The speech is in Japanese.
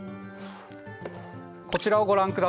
こちらをご覧ください。